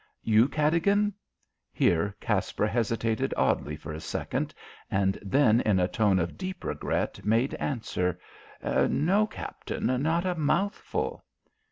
"You, Cadogan?" Here Caspar hesitated oddly for a second, and then in a tone of deep regret made answer, "No, Captain; not a mouthful."